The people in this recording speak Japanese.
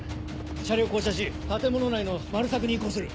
車両降車し建物内のマル索に移行する。